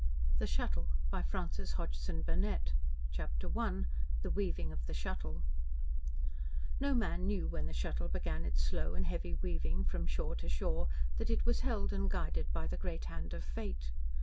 THE PRIMEVAL THING THE SHUTTLE CHAPTER I THE WEAVING OF THE SHUTTLE No man knew when the Shuttle began its slow and heavy weaving from shore to shore, that it was held and guided by the great hand of Fate.